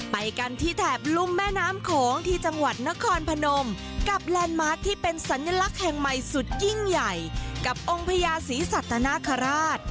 ไปกันที่แถบลุ่มแม่น้ำโขงที่จังหวัดนครพนมกับแลนด์มาร์คที่เป็นสัญลักษณ์แห่งใหม่สุดยิ่งใหญ่กับองค์พญาศรีสัตนคราช